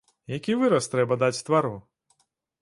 Які выраз трэба даць твару?